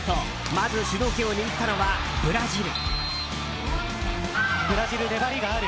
まず主導権を握ったのはブラジル。